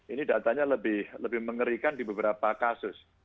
ini datanya lebih mengerikan di beberapa kasus